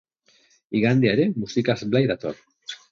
Igandea ere musikaz blai dator.